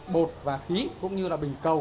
bột và khí cũng như là bình cầu